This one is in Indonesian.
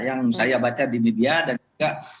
yang saya baca di media dan juga